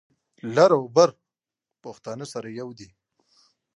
لر او بر پښتانه سره یو دي.